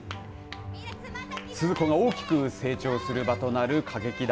鈴子が大きく成長する場となる歌劇団。